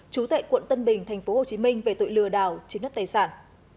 chú tệ quận tân bình tp hcm về tội lừa đảo chiếm đạt tài sản